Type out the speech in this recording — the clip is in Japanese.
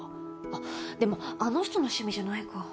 あっでもあの人の趣味じゃないか。